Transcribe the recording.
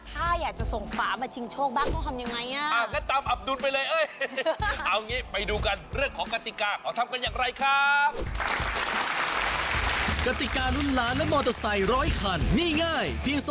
ถ้าอยากจะส่งฟ้ามาเชิงโชคบ้างก็ทำอย่างไง